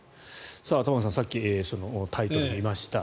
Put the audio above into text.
玉川さん、さっきタイトルを見ました。